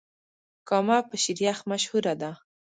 کامه په شيريخ مشهوره ده.